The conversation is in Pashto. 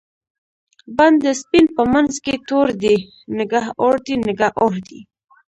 باندی سپین په منځ کی تور دی، نګه اوردی؛ نګه اوردی